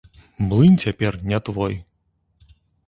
Млын цяпер не твой.